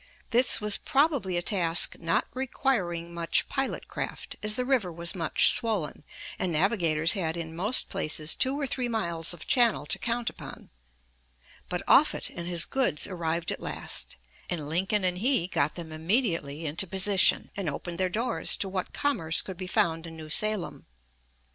This was probably a task not requiring much pilot craft, as the river was much swollen, and navigators had in most places two or three miles of channel to count upon. But Offutt and his goods arrived at last, and Lincoln and he got them immediately into position, and opened their doors to what commerce could be found in New Salem.